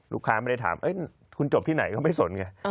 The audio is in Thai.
ลูกค้าไม่ได้ถามคุณจบที่ไหนเขาไม่ได้สนไง